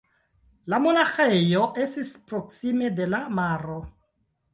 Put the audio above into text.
La monaĥejo estis proksime de la maro.